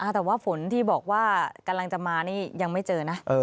แต่ว่าฝนที่บอกว่ากำลังจะมานี่ยังไม่เจอนะ